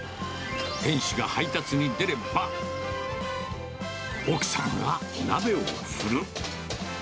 店主が配達に出れば、奥さんは鍋を振る。